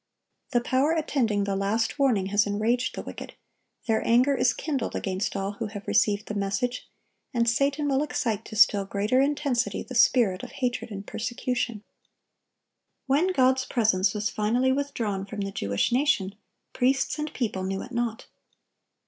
The power attending the last warning has enraged the wicked; their anger is kindled against all who have received the message, and Satan will excite to still greater intensity the spirit of hatred and persecution. When God's presence was finally withdrawn from the Jewish nation, priests and people knew it not.